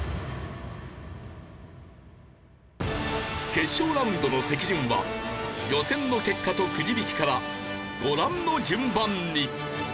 決勝ラウンドの席順は予選の結果とくじ引きからご覧の順番に。